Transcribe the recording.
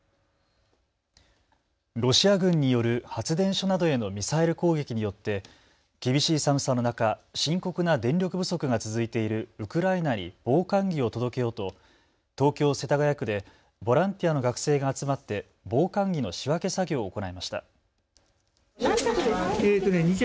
ロシア軍による発電所などへのミサイル攻撃によって厳しい寒さの中、深刻な電力不足が続いているウクライナに防寒着を届けようと東京世田谷区でボランティアの学生が集まって防寒着の仕分け作業を行いました。